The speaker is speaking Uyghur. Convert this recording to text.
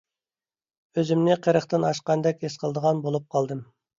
ئۆزۈمنى قىرىقتىن ئاشقاندەك ھېس قىلىدىغان بولۇپ قالدىم.